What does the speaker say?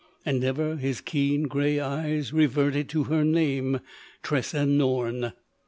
And ever his keen, grey eyes reverted to her name, Tressa Norne.